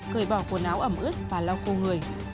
cởi bỏ quần áo ẩm ướt và lau khô người